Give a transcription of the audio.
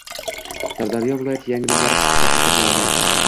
Sirdaryo viloyati yangiliklari – qisqa satrlarda